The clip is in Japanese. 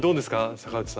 坂内さん。